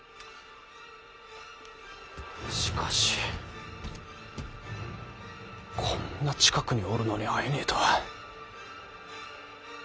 しかしこんな近くにおるのに会えねぇとは。